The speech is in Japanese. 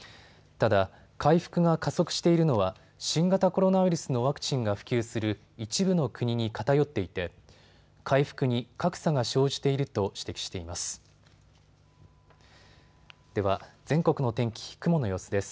ただ回復が加速しているのは新型コロナウイルスのワクチンが普及する一部の国に偏っていて回復に格差が生じていると指摘しています。